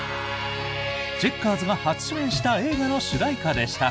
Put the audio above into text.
チェッカーズが初主演した映画の主題歌でした。